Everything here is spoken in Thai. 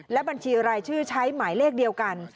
และบัญชีรายชื่อใช้หมายเลขเดียวกัน